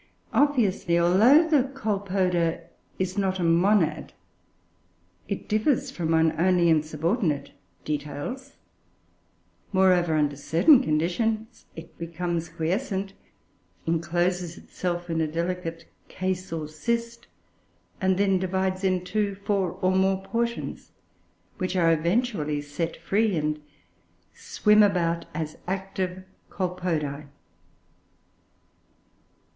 Obviously, although the Colpoda is not a monad, it differs from one only in subordinate details. Moreover, under certain conditions, it becomes quiescent, incloses itself in a delicate case or cyst, and then divides into two, four, or more portions, which are eventually set free and swim about as active Colpodoe.